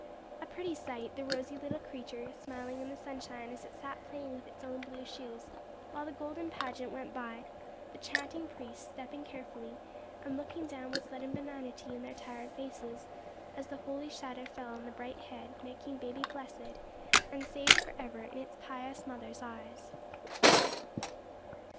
A pretty sight, the rosy little creature smiling in the sunshine as it sat playing with its own blue shoes, while the golden pageant went by; the chanting priests stepping carefully, and looking down with sudden benignity in their tired faces as the holy shadow fell on the bright head, making baby blessed, and saved for ever in its pious mother's eyes.